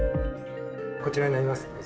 こちらになります。